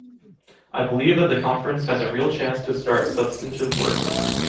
I believe that the Conference has a real chance to start substantive work.